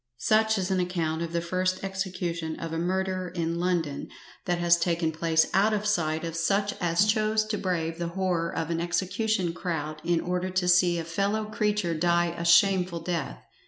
Such is an account of the first execution of a murderer in London that has taken place out of sight of such as chose to brave the horrore of an execution crowd in order to see a fellow creature die a shameful death.